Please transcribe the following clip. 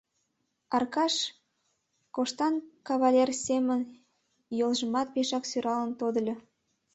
— Аркаш коштан кавалер семын йолжымат пешак сӧралын тодыльо.